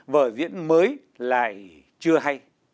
vở diễn mới lại chưa hay